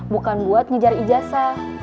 bukan buat ngejar ijazah